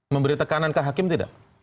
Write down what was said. memberi tekanan ke hakim tidak